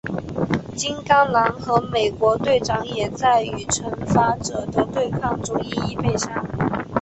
金刚狼和美国队长也在与惩罚者的对抗中一一被杀。